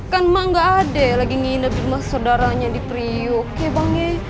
kan mak enggak ada lagi nginap di rumah saudaranya di pria oke bang